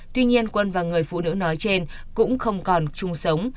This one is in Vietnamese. tuy nhiên quân và người phụ nữ nói trên cũng không còn chung sống